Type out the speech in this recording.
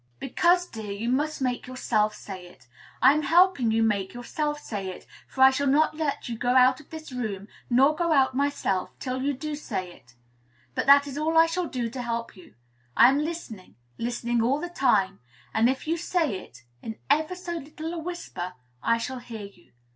"Because, dear, you must make yourself say it. I am helping you make yourself say it, for I shall not let you go out of this room, nor go out myself, till you do say it; but that is all I shall do to help you. I am listening, listening all the time, and if you say it, in ever so little a whisper, I shall hear you.